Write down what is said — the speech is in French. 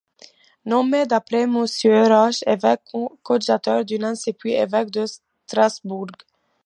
Nommée d'après Monseigneur Ruch évêque coadjuteur de Nancy puis évêque de Strasbourg.